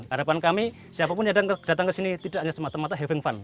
harapan kami siapapun yang datang ke sini tidak hanya semata mata having fund